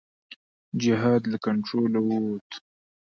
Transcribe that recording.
جهاد له کنټروله ووت.